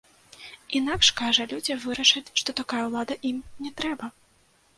Інакш, кажа, людзі вырашаць, што такая ўлада ім не трэба.